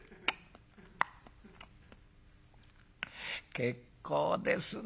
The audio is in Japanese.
「結構ですな。